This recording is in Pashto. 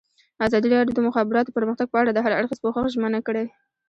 ازادي راډیو د د مخابراتو پرمختګ په اړه د هر اړخیز پوښښ ژمنه کړې.